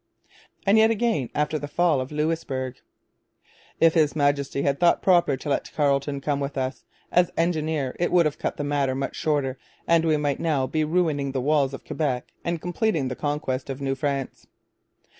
And yet again, after the fall of Louisbourg: 'If His Majesty had thought proper to let Carleton come with us as engineer it would have cut the matter much shorter and we might now be ruining the walls of Quebec and completing the conquest of New France.'